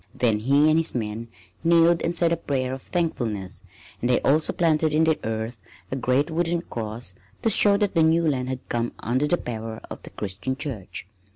Then he and his men kneeled and said a prayer of thankfulness, and they also planted in the earth a great wooden cross, to show that the new land had come under the power of the Christian Church.